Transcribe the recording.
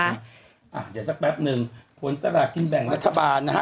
เดี๋ยวสักแป๊บหนึ่งผลสลากกินแบ่งรัฐบาลนะฮะ